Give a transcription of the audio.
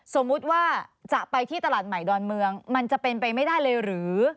สมมุติว่าจะไปที่ตลาดใหม่ดอนเมืองมันจะเป็นไปไม่ได้เลยหรือ